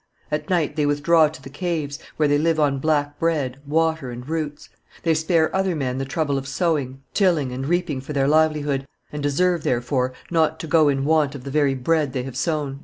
At night they withdraw to the caves, where they live on black bread, water, and roots. They spare other men the trouble of sowing, tilling, and reaping for their livelihood, and deserve, therefore, not to go in want of the very bread they have sown."